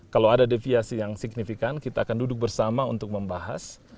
kalau ada deviasi yang signifikan kita akan duduk bersama untuk membahas